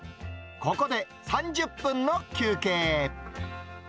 ここで、３０分の休憩。